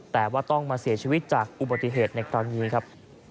แต่ว่าต้องมาเสียชีวิตจากอุบัติเหตุในครั้งนี้ครับ